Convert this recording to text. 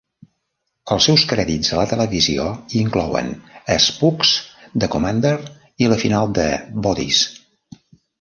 Els seus crèdits a la televisió inclouen "Spooks", "The Commander" i la final de "Bodies".